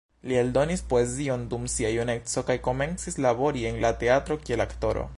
Li eldonis poezion dum sia juneco, kaj komencis labori en la teatro kiel aktoro.